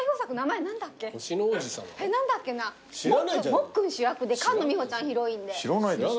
もっくん主役で菅野美穂ちゃんヒロインで。